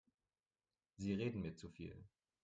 Sie reden mir zu viel.